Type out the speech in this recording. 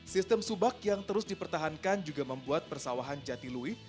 sistem subak yang terus dipertahankan juga membuat persawahan jatilui